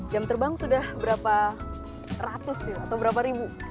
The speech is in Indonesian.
jam terbang sudah berapa ratus atau berapa ribu